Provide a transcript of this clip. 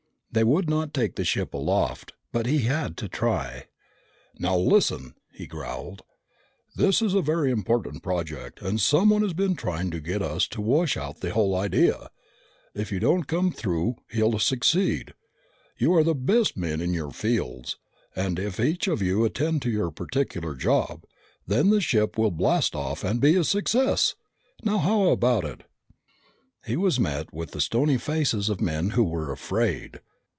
They would not take the ship aloft. But he had to try. "Now listen," he growled. "This is a very important project and someone has been trying to get us to wash out the whole idea. If you don't come through, he'll succeed. You are the best men in your fields, and if each of you attend to your particular job, then the ship will blast off and be a success! Now, how about it?" He was met with the stony faces of men who were afraid.